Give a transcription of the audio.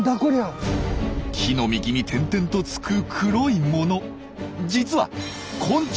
木の幹に点々とつく黒い物。